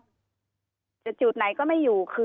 เจ้าหน้าที่แรงงานของไต้หวันบอก